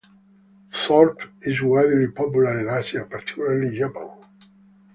Thorpe is widely popular in Asia, particularly Japan.